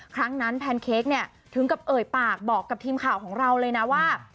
ครั้งนั้นแพนเค้กเนี่ยถึงกับเอ่ยปากบอกกับทีมข่าวของเราเลยนะว่า